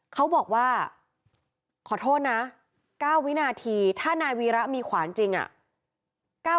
เขาบอกว่าขอโทษนะ๙วินาทีถ้านายวีระมีขวานจริงอ่ะ